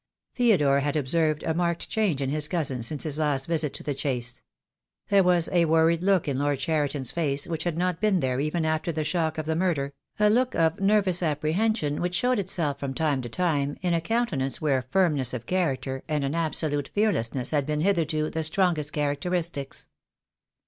Theodore had observed a marked change in his cousin since his last visit to the Chase. There was a worried look in Lord Cheriton's face which had not been there even after the shock of the murder, a look of nervous apprehension which showed itself from time to to time in a countenance where firmness of character and an absolute fearlessness had been hitherto the strongest characteristics.